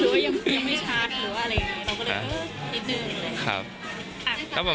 หรือว่ายังไม่ชาร์จหรืออะไรอย่างนี้